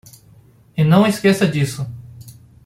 E não esqueça disso.